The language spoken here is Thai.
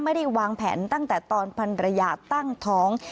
ไม่ได้วางแผนตั้งแต่ตอนพันรยาตั้งท้อง